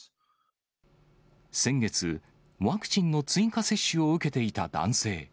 先月、ワクチンの追加接種を受けていた男性。